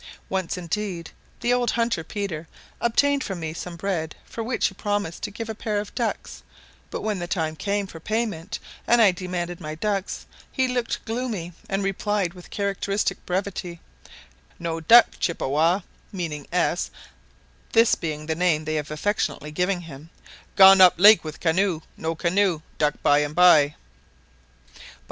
Once, indeed, the old hunter, Peter, obtained from me some bread, for which he promised to give a pair of ducks, but when the time came for payment, and I demanded my ducks, he looked gloomy, and replied with characteristic brevity, "No duck Chippewa (meaning S , this being the name they have affectionately given him) gone up lake with canoe no canoe duck by and by."